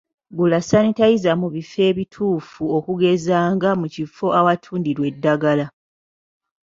Gula sanitayiza mu bifo ebituufu okugeza nga ekifo awatundirwa eddagala.